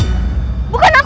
aku harus bertindak